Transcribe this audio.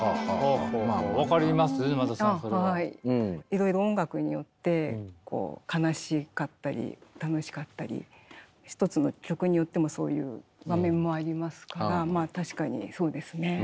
いろいろ音楽によって悲しかったり楽しかったり一つの曲によってもそういう場面もありますからまあ確かにそうですね。